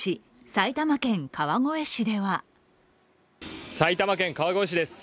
埼玉県川越市では埼玉県川越市です。